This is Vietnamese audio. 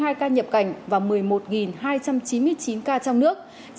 hai mươi hai ca nhập cảnh và một mươi một hai trăm chín mươi chín ca trong nước